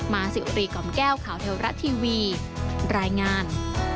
มาสิวรีกล่อมแก้วข่าวเทวรัฐทีวีรายงาน